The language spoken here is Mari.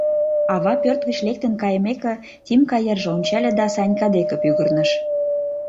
Ава пӧрт гыч лектын кайымеке, Тимка йырже ончале да Санька деке пӱгырныш: